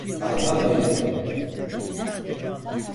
Galiba öyle.